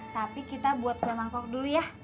tapi kita buat kue mangkok dulu ya